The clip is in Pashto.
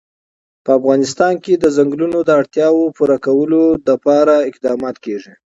په افغانستان کې د ځنګلونه د اړتیاوو پوره کولو لپاره اقدامات کېږي.